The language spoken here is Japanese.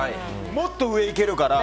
もっと上いけるから。